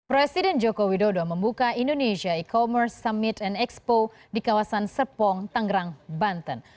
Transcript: presiden joko widodo membuka indonesia e commerce summit and expo di kawasan serpong tangerang banten